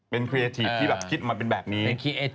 เป็นครีเอทีฟที่แบบคิดออกมาเป็นแบบนี้